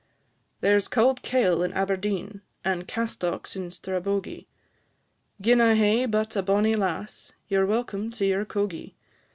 There 's cauld kail in Aberdeen, And castocks in Strabogie; Gin I hae but a bonnie lass, Ye 're welcome to your cogie.